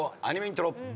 アニメイントロ。